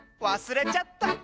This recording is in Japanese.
わすれちゃった！